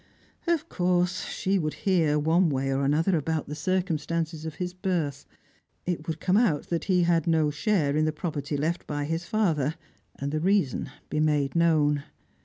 Of course she would hear, one way or another, about the circumstances of his birth. It would come out that he had no share in the property left by his father, and the reason be made known.